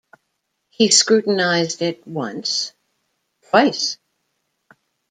He scrutinised it once, twice.